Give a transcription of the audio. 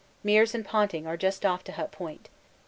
Meares and Ponting are just off to Hut Point.